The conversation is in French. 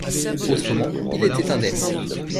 Autrement, il était indemne.